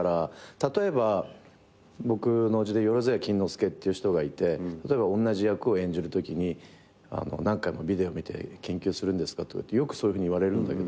例えば僕の叔父で萬屋錦之介って人がいておんなじ役を演じるときに何回もビデオ見て研究するんですか？とかよくそういうふうに言われるんだけど。